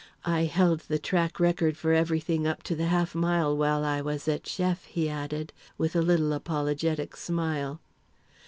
I held the track record for everything up to the half mile while I was at Sheff," he added, with a little apologetic smile.